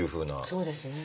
そうですね。